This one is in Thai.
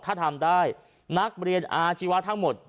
ถ้าทำได้นักเรียนอาชีวะทั้งหมด